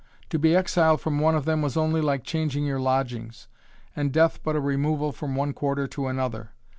To be exiled from one of them was only like changing your lodgings, and death but a removal from one quarter to another.